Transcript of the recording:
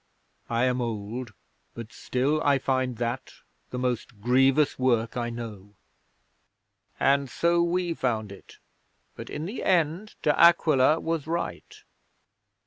"I am old, but still I find that the most grievous work I know." 'And so we found it, but in the end De Aquila was right.